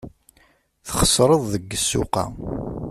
Txesreḍ deg ssuq-a.